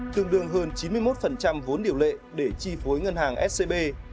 tương đương hơn chín mươi một vốn điều lệ để chi phối ngân hàng scb